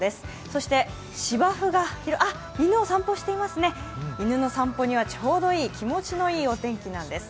そして、芝生が犬を散歩していますね、犬の散歩にはちょうどいい気持ちのいいお天気なんです。